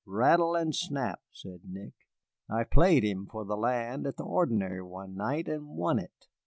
"Rattle and snap," said Nick; "I played him for the land at the ordinary one night, and won it.